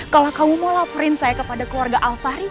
kalau kamu mau laporin saya kepada keluarga alfahri